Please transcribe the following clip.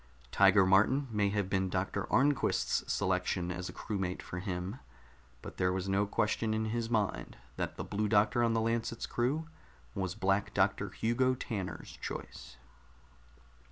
Tiger Martin may have been Doctor Arnquist's selection as a crewmate for him, but there was no question in his mind that the Blue Doctor on the Lancet's crew was Black Doctor Hugo Tanner's choice.